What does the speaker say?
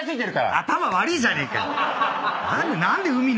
頭悪いじゃねえか！